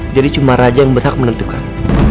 jadi cuma raja yang berhak menentukan